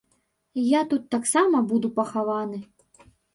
Я тут таксама буду пахаваны.